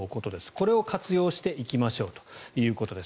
これを活用していきましょうということです。